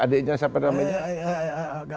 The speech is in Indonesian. adiknya siapa namanya